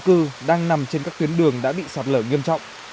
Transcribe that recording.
cứ đang nằm trên các tuyến đường đã bị sạt lở nghiêm trọng